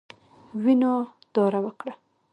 وینو داره وکړه.